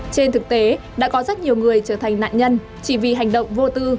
trên thực tế đã có rất nhiều người trở thành nạn nhân chỉ vì hành động vô tư